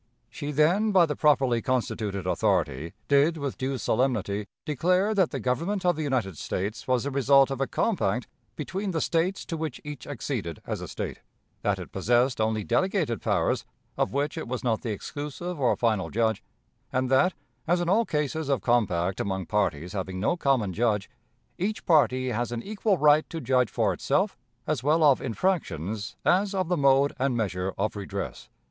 She then by the properly constituted authority did with due solemnity declare that the Government of the United States was the result of a compact between the States to which each acceded as a State; that it possessed only delegated powers, of which it was not the exclusive or final judge; and that, as in all cases of compact among parties having no common judge, "each party has an equal right to judge for itself as well of infractions as of the mode and measure of redress."